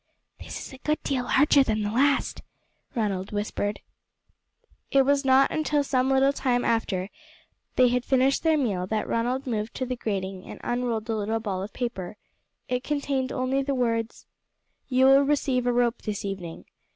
"This is a good deal larger than the last," Ronald whispered. It was not until some little time after they had finished their meal that Ronald moved to the grating and unrolled the little ball of paper; it contained only the words: "You will receive a rope this evening.